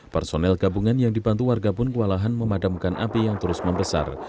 personel gabungan yang dibantu warga pun kewalahan memadamkan api yang terus membesar